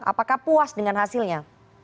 apakah puas dengan hasilnya